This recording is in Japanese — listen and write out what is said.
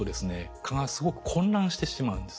蚊がすごく混乱してしまうんです。